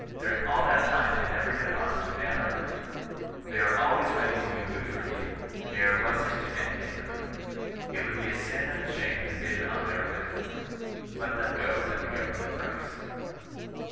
During all that time, they never did harm to man or brute. They are always ready to do good for evil. They are a blessing to any neighbourhood. It would be a sin and a shame to bid on th^ir land. Let them go at the government price.'